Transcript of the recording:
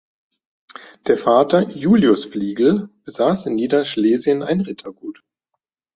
Der Vater, Julius Fliegel, besaß in Niederschlesien ein Rittergut.